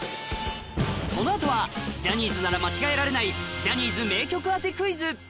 この後はジャニーズなら間違えられないジャニーズ名曲当てクイズ